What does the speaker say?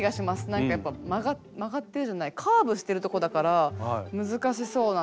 何かやっぱ曲がってるじゃないカーブしてるしてるとこだから難しそうなので。